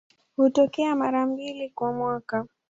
Hutokea mara mbili kwa mwaka.